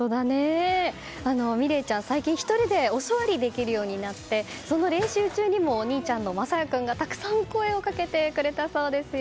実鈴ちゃん、最近１人でお座りできるようになってその練習中にもお兄ちゃんの将矢君がたくさん声をかけてくれたそうですよ。